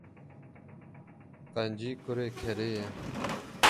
Qencî kurê kerê ye.